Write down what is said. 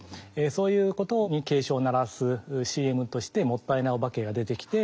そういうことに警鐘を鳴らすＣＭとしてもったいないお化けが出てきて。